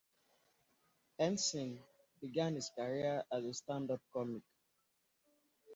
Henson began his career as a stand-up comic.